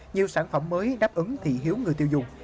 nhiều sản phẩm mới đáp ứng thị hiếu người tiêu dùng